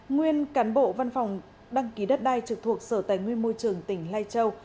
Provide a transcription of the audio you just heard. nguyên cán bộ văn phòng đăng ký đất đai trực thuộc sở tài nguyên môi trường tỉnh lai châu